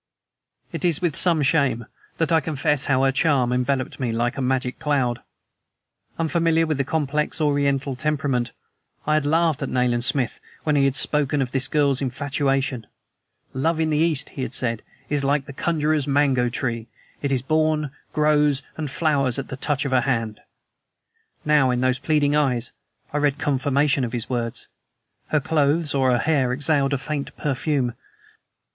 It is with some shame that I confess how her charm enveloped me like a magic cloud. Unfamiliar with the complex Oriental temperament, I had laughed at Nayland Smith when he had spoken of this girl's infatuation. "Love in the East," he had said, "is like the conjurer's mango tree; it is born, grows and flowers at the touch of a hand." Now, in those pleading eyes I read confirmation of his words. Her clothes or her hair exhaled a faint perfume.